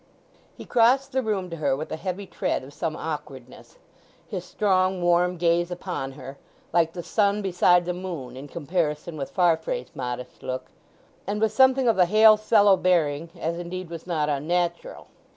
He crossed the room to her with a heavy tread of some awkwardness, his strong, warm gaze upon her—like the sun beside the moon in comparison with Farfrae's modest look—and with something of a hail fellow bearing, as, indeed, was not unnatural.